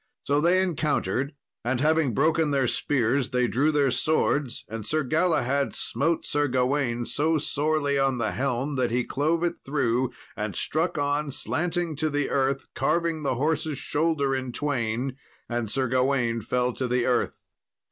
So they encountered, and having broken their spears, they drew their swords, and Sir Galahad smote Sir Gawain so sorely on the helm that he clove it through, and struck on slanting to the earth, carving the horse's shoulder in twain, and Sir Gawain fell to the earth.